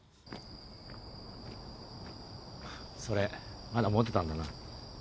それまだ持ってたんだな。